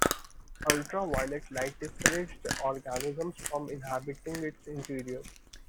Ultraviolet light discouraged organisms from inhabiting its interior.